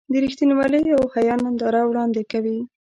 د رښتینولۍ او حیا ننداره وړاندې کوي.